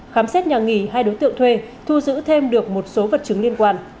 khám xét nhà nghỉ hai đối tượng thuê thu giữ thêm được một số vật chứng liên quan